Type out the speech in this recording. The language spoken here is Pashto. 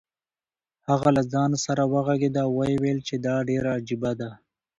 هغه له ځان سره وغږېد او ویې ویل چې دا ډېره عجیبه ده.